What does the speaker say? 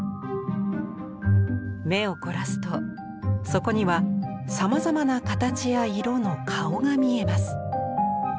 目を凝らすとそこにはさまざまな形や色の顔が見えます。